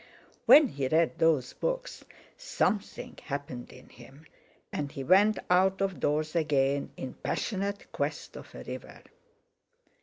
When he read those books something happened in him, and he went out of doors again in passionate quest of a river.